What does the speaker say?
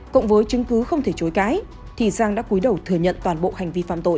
cộng với chứng cứ không thể chối cãi thì giang đã cuối đầu thừa nhận toàn bộ hành vi phạm tội